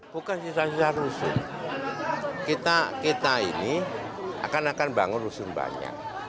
bukan sisa sisa rusun kita ini akan akan bangun rusun banyak